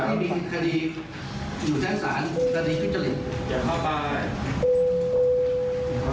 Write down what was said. ถ้าตายหน่อยผมได้นั่งใต้แต่คุณสวย